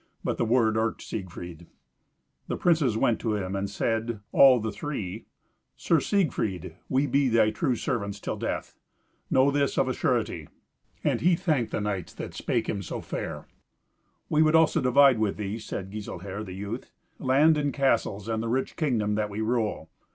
But the word irked Siegfried. The princes went to him and said, all the three, "Sir Siegfried, we be thy true servants till death. Know this of a surety." And he thanked the knights that they spake him so fair. "We would also divide with thee," said Giselher the youth, "land and castles, and the rich kingdom that we rule.